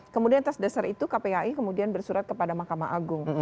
kemudian atas dasar itu kpai kemudian bersurat kepada mahkamah agung